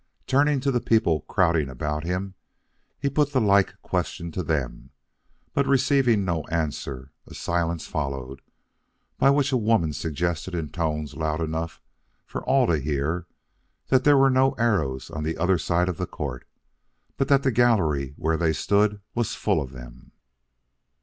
Turning to the people crowding about him, he put the like question to them; but receiving no answer, a silence followed, during which a woman suggested in tones loud enough for all to hear, that there were no arrows on the other side of the court, but that the gallery where they stood was full of them.